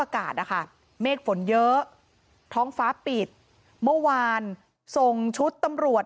อากาศนะคะเมฆฝนเยอะท้องฟ้าปิดเมื่อวานส่งชุดตำรวจ